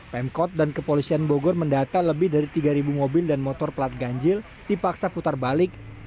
pemkot dan kepolisian bogor mendata lebih dari tiga mobil dan motor pelat ganjil dipaksa putar balik